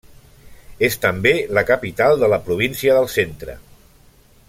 És també la capital de la província del Centre.